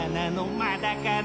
まだかな？